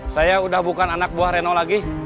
saya udah bukan anak buah reno lagi